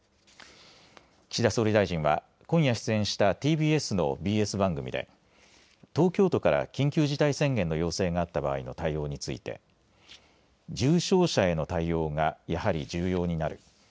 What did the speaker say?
岸田総理大臣は今夜、出演したＴＢＳのＢＳ番組で東京都から緊急事態宣言の要請があった場合の対応について重症者への対応がやはり重要になる。